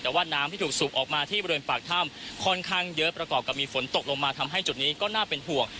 แต่ว่าน้ำที่ถูกสูบออกมาที่บริเวณปากถ้ำค่อนข้างเยอะประกอบกับมีฝนตกลงมาทำให้จุดนี้ก็น่าเป็นห่วง